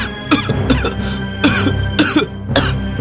kau sudah siap